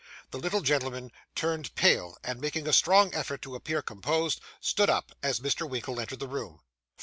The little gentleman turned pale; and, making a strong effort to appear composed, stood up, as Mr. Winkle entered the room.